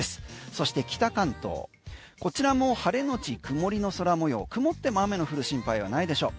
そして北関東、こちらも晴れのち曇りの空模様曇って雨の降る心配はないでしょう。